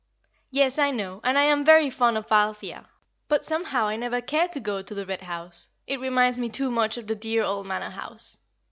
"Yes, I know, and I am very fond of Althea. But somehow I never care to go to the Red House; it reminds me too much of the dear old Manor House.